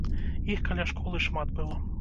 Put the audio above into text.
Іх каля школы шмат было.